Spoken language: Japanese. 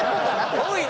多いな！